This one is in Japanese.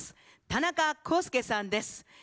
田中功介さんです。